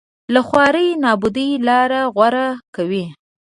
له خوارۍ نابودۍ لاره غوره کوي